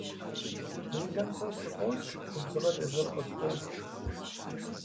Делэм сэ сыфӀокӀ, губзыгъэр езыр къысфӀокӀ.